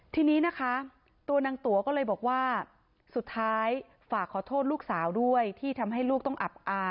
ทีนี้นะคะตัวนางตั๋วก็เลยบอกว่า